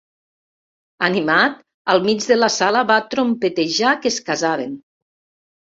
Animat, al mig de la sala va trompetejar que es casaven.